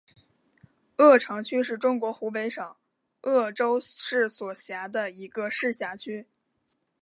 鄂城区是中国湖北省鄂州市所辖的一个市辖区。